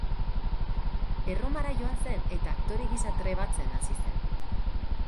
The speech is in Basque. Erromara joan zen, eta aktore gisa trebatzen hasi zen.